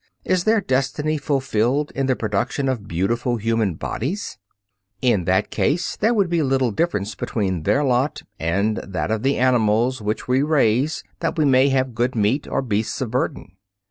Is their destiny fulfilled in the production of beautiful human bodies? In that case there would be little difference between their lot and that of the animals which we raise that we may have good meat or beasts of burden.